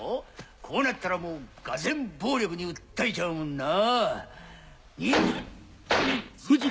こうなったらもうがぜん暴力に訴えちゃうもんな。